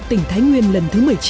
tỉnh thái nguyên lần thứ một mươi chín